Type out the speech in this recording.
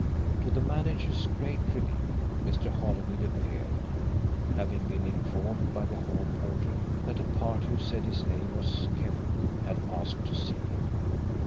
To the manager's great relief, Mr. Holymead appeared, having been informed by the hall porter that a party who said his name was Kemp had asked to see him.